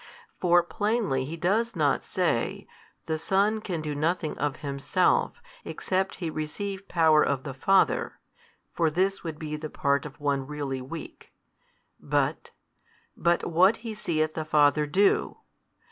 For plainly He does not say, The Son can do nothing of Himself, except He receive Power of the Father (for this would be the part of one really weak) but, but what He seeth the Father do.